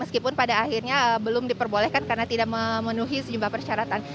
meskipun pada akhirnya belum diperbolehkan karena tidak memenuhi sejumlah persyaratan